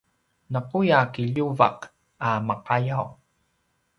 nakuya kiljuvaq a maqayaw